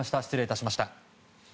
失礼致しました。